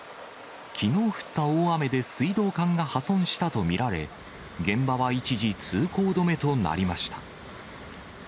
きのう降った大雨で水道管が破損したと見られ、現場は一時、通行止めとなりました。